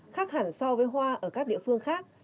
khác hẳn so với hoa ở các địa phương khác